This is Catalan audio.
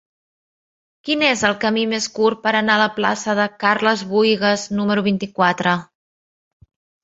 Quin és el camí més curt per anar a la plaça de Carles Buïgas número vint-i-quatre?